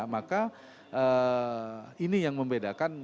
maka ini yang membedakan